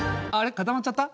固まっちゃった？